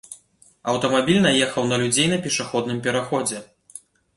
Аўтамабіль наехаў на людзей на пешаходным пераходзе.